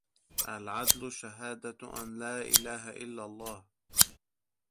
الْعَدْلُ شَهَادَةُ أَنْ لَا إلَهَ إلَّا اللَّهُ